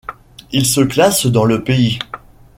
Il se classe dans le pays.